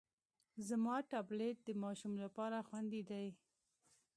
زما ټابلیټ د ماشوم لپاره خوندي دی.